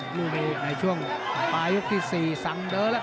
เหมือนช่วงปลายยุคที่สี่สั่งเดินแล้ว